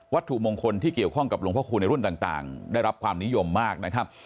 ถูกมงคลที่เกี่ยวข้องกับหลวงพ่อคูณในรุ่นต่างได้รับความนิยมมากนะครับ